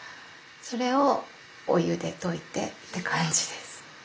それをお湯で溶いてって感じです。